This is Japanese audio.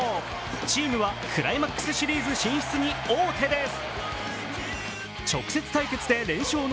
チームはクライマックスシリーズ進出に王手です。